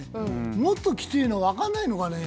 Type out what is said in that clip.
もっときついの、分かんないのかね？